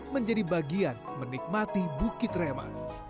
menjadi bagian menikmati bukit rema